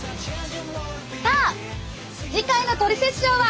さあ次回の「トリセツショー」は！